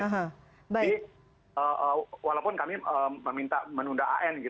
jadi walaupun kami meminta menundangnya